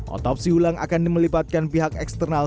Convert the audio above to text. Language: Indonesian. otopsi ulang akan melibatkan pihak eksternal